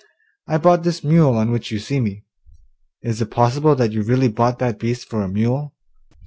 'I bought this mule on which you see me.' 'Is it possible that you really bought that beast for a mule?